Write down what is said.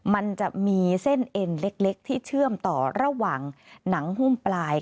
มันจะมีเส้นเอ็นเล็กที่เชื่อมต่อระหว่างหนังหุ้มปลาย